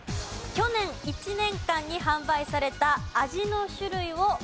去年１年間に販売された味の種類をお答えください。